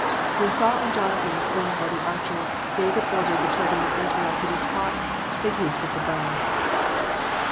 When Saul and Jonathan were slain by the archers, David ordered the children of Israel to be taught the use of the bow.